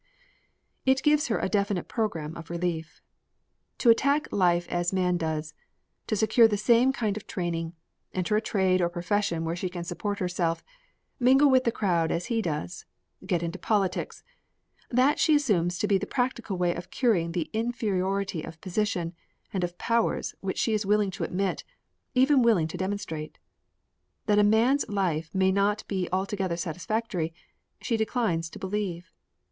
It gives her a definite program of relief. To attack life as man does: to secure the same kind of training, enter a trade or profession where she can support herself, mingle with the crowd as he does, get into politics that she assumes to be the practical way of curing the inferiority of position and of powers which she is willing to admit, even willing to demonstrate. That a man's life may not be altogether satisfactory, she declines to believe.